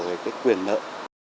về cái quyền lợi